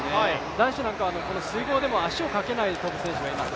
男子なんかは水濠でも足をかけないで跳ぶ選手がいます。